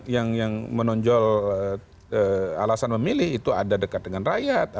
yang menonjol alasan memilih itu ada dekat dengan rakyat